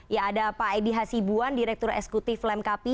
ya ada pak edy hasibuan direktur esekutif lemkapi